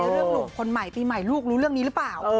เลือกลูกคนใหม่ลูกรู้เรื่องนี้หรือเปล่า